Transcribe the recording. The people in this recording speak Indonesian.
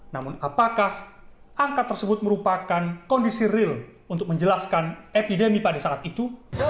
namun apakah angka tersebut merupakan kondisi real untuk menjelaskan epidemi pada saat itu